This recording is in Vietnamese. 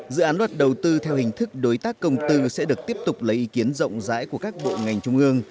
dự án luật đầu tư theo hình thức đối tác công tư sẽ được tiếp tục lấy ý kiến rộng rãi của các bộ ngành trung ương